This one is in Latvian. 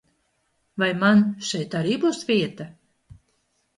Vai man šeit arī būs vieta?